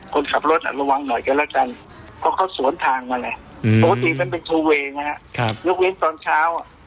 คนขับรถระวังหน่อยกันแล้วจังเพราะเขาสวนทางมาปกติมันเป็นทูเวย์